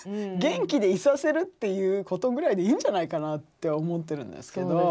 元気でいさせるっていうことぐらいでいいんじゃないかなって思ってるんですけど。